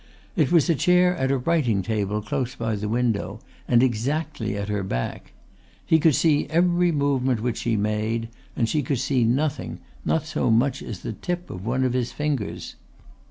It was a chair at a writing table close by the window and exactly at her back. He could see every movement which she made, and she could see nothing, not so much as the tip of one of his fingers.